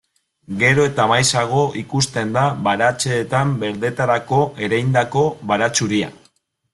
Gero eta maizago ikusten da baratzeetan berdetarako ereindako baratxuria.